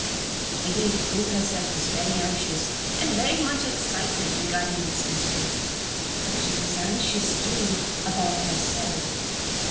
Indeed, Ruth herself was very anxious and very much excited regarding this mystery; but she was anxious, too, about herself.